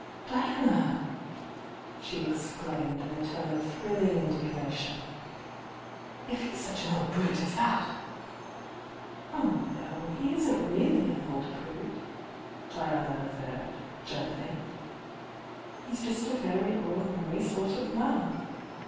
"Diana!" she exclaimed in a tone of thrilling indignation. "If he's such an old brute as that " "Oh, no, he isn't really an old brute!" Diana avrrred, gently. "He's just a very ordinary sort of man.